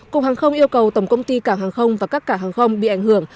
cục hàng không yêu cầu tổng công ty cảng hàng không và các cảng hàng không bị ảnh hưởng